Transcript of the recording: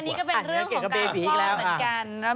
อันนี้ก็เป็นเรื่องของการรอดเหมือนกัน